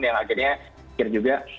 yang akhirnya pikir juga